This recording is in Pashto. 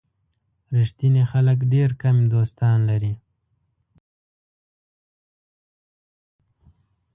ریښتیني خلک ډېر کم دوستان لري.